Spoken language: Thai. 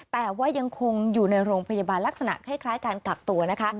แต่ว่ายังคงอยู่ในโรงพยาบาลลักษณะคล้ายการกักตัวนะคะ